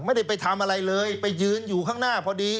ไม่ได้ไปทำอะไรเลยไปยืนอยู่ข้างหน้าพอดี